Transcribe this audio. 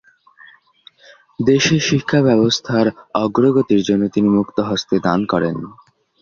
দেশে শিক্ষাব্যবস্থার অগ্রগতির জন্য তিনি মুক্তহস্তে দান করেন।